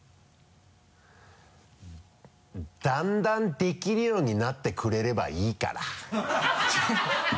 「だんだんできるようになってくれればいいから」